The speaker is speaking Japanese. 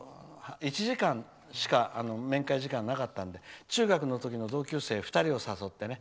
１時間しか面会時間はなかったので中学の時の同級生２人を誘ってね。